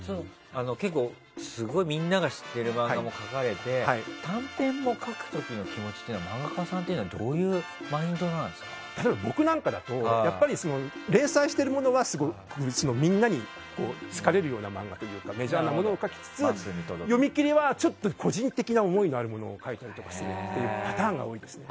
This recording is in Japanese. すごいみんなが知っている漫画も描かれて短編も描く時の気持ちは漫画家さんっていうのは例えば僕なんかだと連載しているものは、みんなに好かれるような漫画というかメジャーなものを描きつつ読み切りは個人的な思いのあるものを描いたりするというパターンが多いですね。